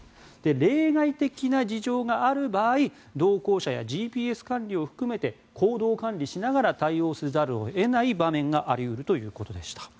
例外的な事情がある場合同行者やＧＰＳ管理を含めて行動管理しながら対応せざるを得ない場面があり得るということでした。